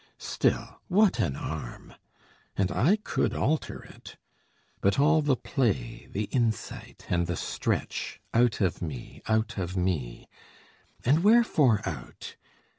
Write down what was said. Still, what an arm! and I could alter it: But all the play, the insight, and the stretch Out of me, out of me! And wherefore out?